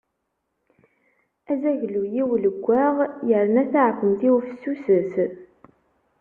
Azaglu-iw leggaɣ, yerna taɛekkemt-iw fessuset.